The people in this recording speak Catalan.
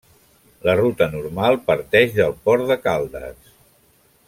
La ruta normal parteix del Port de Caldes.